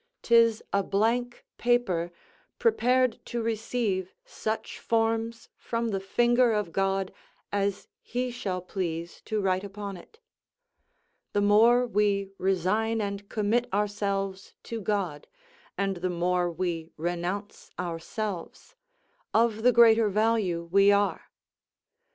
'Tis a blank paper prepared to receive such forms from the finger of God as he shall please to write upon it. The more we resign and commit ourselves to God, and the more we renounce ourselves, of the greater value we are.